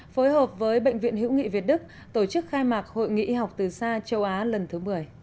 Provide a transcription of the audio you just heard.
phối hợp với bệnh viện hữu nghị việt đức tổ chức khai mạc hội nghị y học từ xa châu á lần thứ một mươi